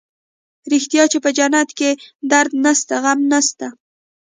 رښتيا چې په جنت کښې درد نسته غم نسته.